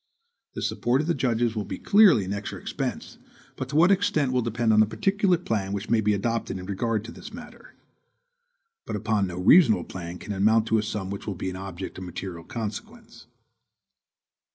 The support of the judges will clearly be an extra expense, but to what extent will depend on the particular plan which may be adopted in regard to this matter. But upon no reasonable plan can it amount to a sum which will be an object of material consequence.